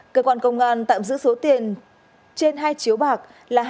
cơ quan công an tạm giữ số tiền trên hai chiếu bạc là